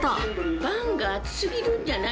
パンが厚すぎるんじゃない？